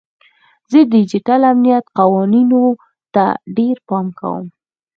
زه د ډیجیټل امنیت قوانینو ته ډیر پام کوم.